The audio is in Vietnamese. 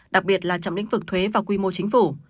đặc biệt là trong lĩnh vực thuế và quy mô chính phủ